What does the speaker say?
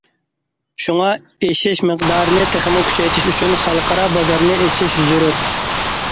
شۇڭا، ئېشىش مىقدارىنى تېخىمۇ كۆپەيتىش ئۈچۈن خەلقئارا بازارنى ئېچىش زۆرۈر.